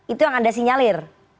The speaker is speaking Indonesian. itu yang anda sinyalir